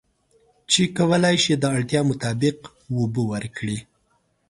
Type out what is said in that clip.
چې کولی شي د اړتیا مطابق اوبه ورکړي.